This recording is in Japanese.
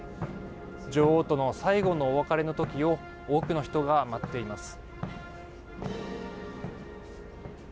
女王との最後のお別れの時を多くの人が待っています。